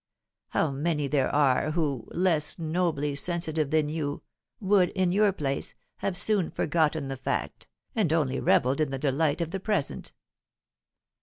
How many there are who, less nobly sensitive than you, would, in your place, have soon forgotten the fact, and only revelled in the delight of the present.